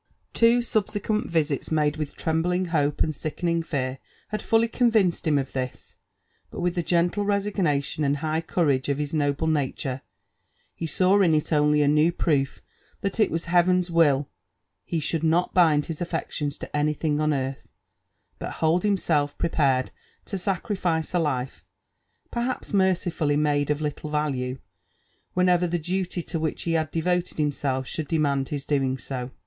Two subsequi§nt visits, made with trembling hope and sickening fear, had fully convinced him of this ; but with the gentle resignation and high courage of his noble nature, he saw in it only a new proof that it was Heaven's will he should not bind his affections to any thing on earth, but hold himself prepared to sacrifice a life, perhaps mercifully made of little value, whenever the duty to which he had de voted himself should demand his doing so.